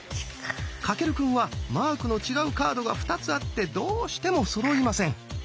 翔くんはマークの違うカードが２つあってどうしてもそろいません。